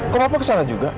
kok bapak ke sana juga